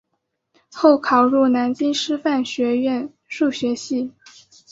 后考入南京师范学院数学系。